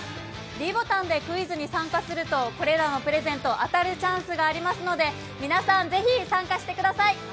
ｄボタンでクイズに参加するとこれらのプレゼント当たるチャンスがありますので皆さんぜひ参加してください！